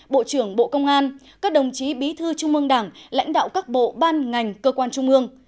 bộ trưởng bộ công an các đồng chí bí thư trung mương đảng lãnh đạo các bộ ban ngành cơ quan trung ương